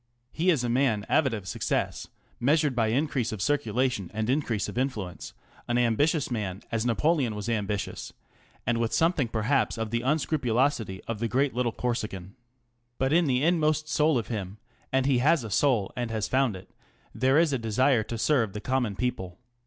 He is a man avid of success, measured by increase of circulation and increase of influence; an ambitious man as Napoleon was ambitious, and with something perhaps of the unscrupulosity of the great little Corsican. But in the inmost soul of him ŌĆö and he has a soul and has found it ŌĆö there is a desire to serve the common people.